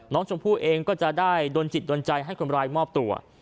น้องชมพู่เองก็จะได้โดนจิตโดนใจให้คนร้ายมอบตัว